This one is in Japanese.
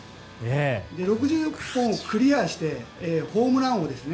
６０本クリアしてホームラン王ですね。